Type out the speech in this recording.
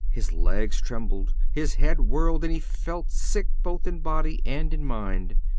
His legs trembled, his head whirled, and he felt sick both in body and in mind.